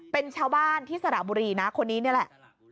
เป็นชาวบ้านที่สระบุรีนะคนนี้นี่แหละ